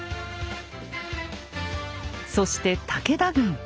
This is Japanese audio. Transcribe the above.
そして武田軍。